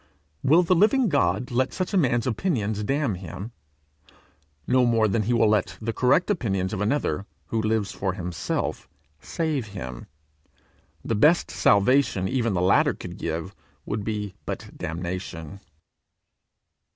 Will the living God let such a man's opinions damn him? No more than he will let the correct opinions of another, who lives for himself, save him. The best salvation even the latter could give would be but damnation.